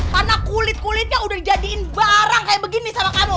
karena kulit kulitnya udah dijadiin barang kayak begini sama kamu